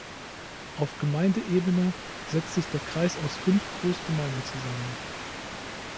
Auf Gemeindeebene setzt sich der Kreis aus fünf Großgemeinden zusammen.